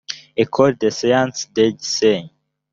ecole des sciences de gisenyi